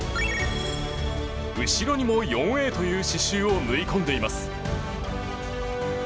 後ろにも４Ａという刺しゅうを縫い込んでいます。